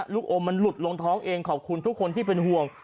ลูกอมมันหลุดลงท้องเองขอบคุณทุกคนที่เป็นห่วง